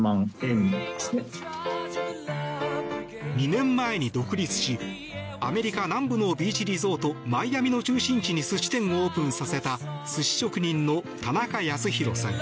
２年前に独立しアメリカ南部のビーチリゾートマイアミの中心地に寿司店をオープンさせた寿司職人の田中康博さん。